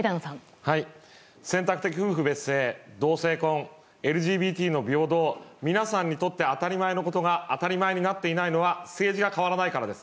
選択的夫婦別姓同性婚、ＬＧＢＴの平等皆さんにとって当たり前のことが当たり前になっていないのは政治が変わらないからです。